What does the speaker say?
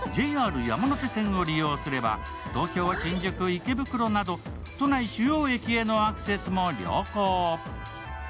ＪＲ山手線を利用すれば東京、新宿、池袋など都内主要駅へのアクセスも良好。